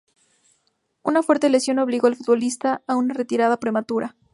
Una fuerte lesión obligó al futbolista a una retirada prematura.